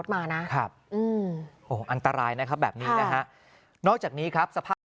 มานะครับอันตรายนะครับแบบนี้นะฮะนอกจากนี้ครับ